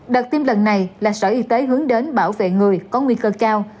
đợt tiêm lần này là sở y tế hướng đến bảo vệ người có nguy cơ cao